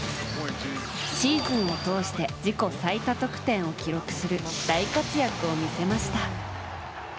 シーズンを通して自己最多得点を記録する大活躍を見せました。